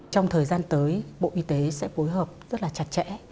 trong thời gian tới bộ y tế sẽ phối hợp rất là chặt chẽ